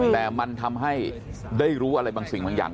แต่มันทำให้ได้รู้อะไรบางสิ่งบางอย่าง